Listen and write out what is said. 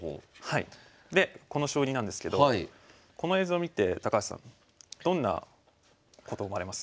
でこの将棋なんですけどこの映像見て高橋さんどんなこと思われます？